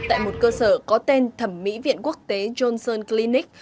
tại một cơ sở có tên thẩm mỹ viện quốc tế johnson cleanic